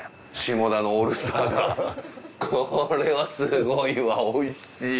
これはすごいわ美味しい。